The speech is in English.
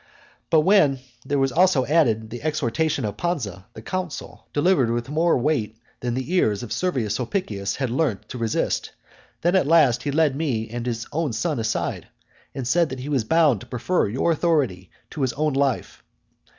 But when there was added the exhortation of Pansa, the consul, delivered with more weight than the ears of Servius Sulpicius had learnt to resist, then at last he led me and his own son aside, and said that he was bound to prefer your authority to his own life.